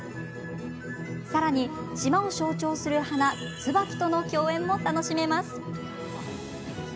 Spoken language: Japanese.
さらに、島を象徴する花椿との競演も楽しめます。